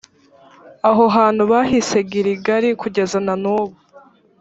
aho hantu bahise giligali kugeza na n’ubu.